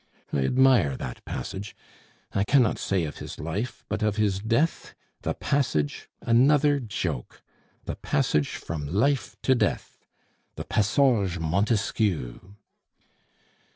I admire that passage I cannot say of his life, but of his death the passage another joke! The passage from life to death the Passage Montesquieu!"